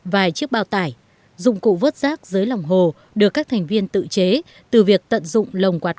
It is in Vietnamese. vài chiếc bao tải dụng cụ vớt rác dưới lòng hồ được các thành viên tự chế từ việc tận dụng lồng quạt